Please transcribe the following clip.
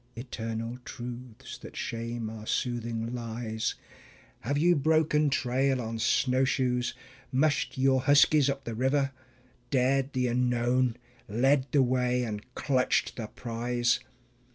(Eternal truths that shame our soothing lies). Have you broken trail on snowshoes? mushed your huskies up the river, Dared the unknown, led the way, and clutched the prize?